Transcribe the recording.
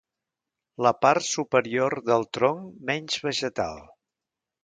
La part superior del tronc menys vegetal.